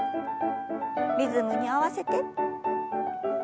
リズムに合わせて。